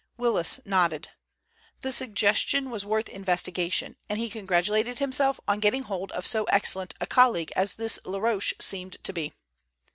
Willis nodded. The suggestion was worth investigation, and he congratulated himself on getting hold of so excellent a colleague as this Laroche seemed to be.